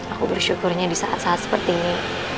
aku bersyukurnya di saat saat seperti ini